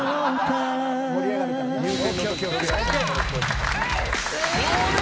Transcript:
盛り上がるからね。